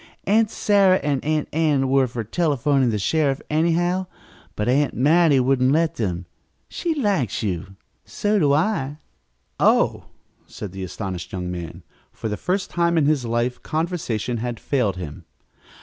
"Aunt Sarah and Aunt Ann were for telephoning for the sheriff anyhow, but Aunt Mattie wouldn't let them. She likes you. So do I." "Oh!" said the astonished young man. For the first time in his life conversation had failed him.